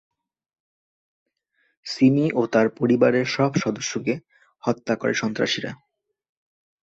সিমি ও তার পরিবারের সব সদস্যকে হত্যা করে সন্ত্রাসীরা।